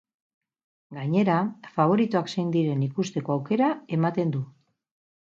Gainera, faboritoak zein diren ikusteko aukera ematen du.